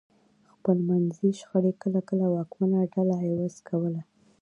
خپلمنځي شخړې کله کله واکمنه ډله عوض کوله.